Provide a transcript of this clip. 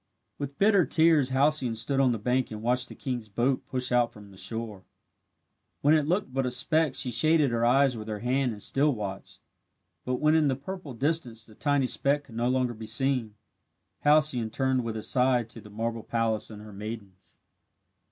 With bitter tears Halcyone stood on the bank and watched the king's boat push out from shore. When it looked but a speck she shaded her eyes with her hand and still watched. But when in the purple distance the tiny speck could no longer be seen, Halcyone turned with a sigh to the marble palace and her maidens.